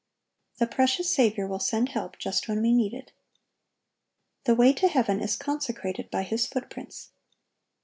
The precious Saviour will send help just when we need it. The way to heaven is consecrated by His footprints.